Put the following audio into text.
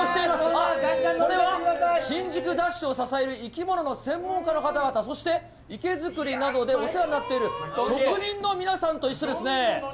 あっ、これは、新宿ＤＡＳＨを支える生き物の専門家の方々、そして、池づくりなどでお世話になっている職人の皆さんと一緒ですね。